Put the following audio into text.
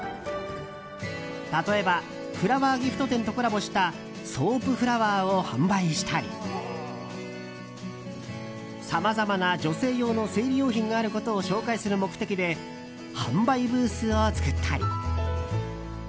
例えばフラワーギフト店とコラボしたソープフラワーを販売したりさまざまな女性用の生理用品があることを紹介する目的で販売ブースを作ったり。